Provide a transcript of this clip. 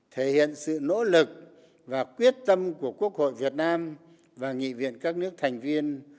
thể hiện sự nỗ lực và quyết tâm của quốc hội việt nam và nghị viện các nước thành viên